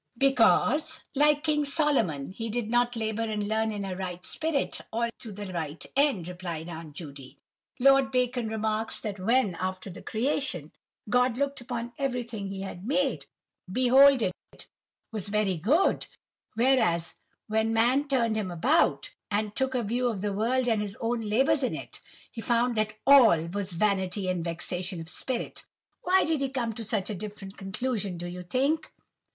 "Because, like King Solomon, he did not labour and learn in a right spirit, or to a right end," replied Aunt Judy. "Lord Bacon remarks that when, after the Creation, God 'looked upon everything He had made, behold it was very good;' whereas when man 'turned him about,' and took a view of the world and his own labours in it, he found that 'all' was 'vanity and vexation of spirit.' Why did he come to such a different conclusion, do you think?"